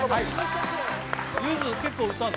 ゆず結構歌うの？